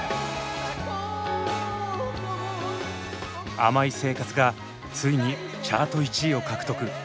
「甘い生活」がついにチャート１位を獲得。